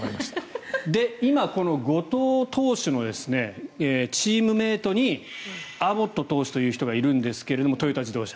今、後藤投手のチームメートにアボット投手という人がいるんですがトヨタ自動車。